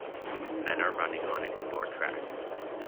Men are running on an indoor track.